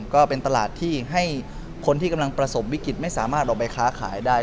ก็เป็นตลาดที่ให้คนที่กำลังประสบวิกฤตไม่สามารถออกไปค้าขายได้